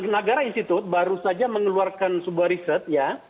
negara institut baru saja mengeluarkan sebuah riset ya